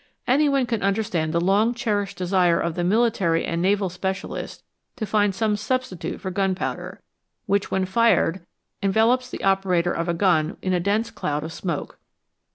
Any one can understand the long cherished desire of the military and naval specialist to find some substitute for gunpowder, which when fired envelops the operator of a gun in a dense cloud of smoke.